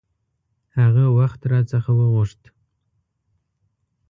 هغه وخت را څخه وغوښت.